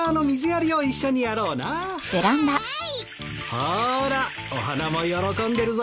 ほーらお花も喜んでるぞ。